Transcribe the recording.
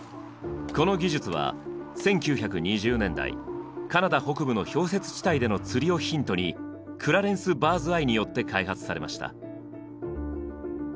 この技術は１９２０年代カナダ北部の氷雪地帯での釣りをヒントにクラレンス・バーズアイによって開発されました。